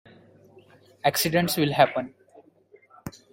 Accidents will happen.